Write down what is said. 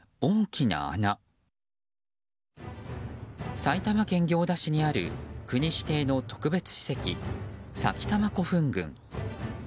埼玉県行田市にある国指定の特別史跡、埼玉古墳群。